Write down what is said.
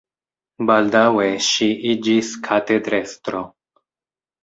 Baldaŭe ŝi iĝis katedrestro.